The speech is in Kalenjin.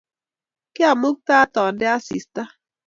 kiamaktaat andee asista